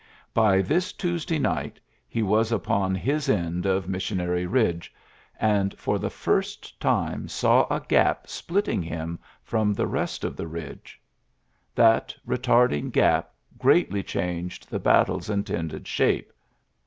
By this Tuesday night he was upon his end of Missionary iiuiiuy ^oii 92 XJLTSSES S. GEANT Eidge^ and for the first time saw a gap splitting him from the rest of the ridge. That retarding gap greatly changed the battle's intended shape.